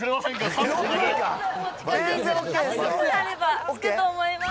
３分あれば着くと思います。